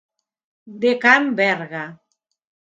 De Can Verga.